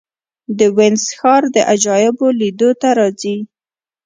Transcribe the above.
د وینز ښار د عجایبو لیدو ته راځي.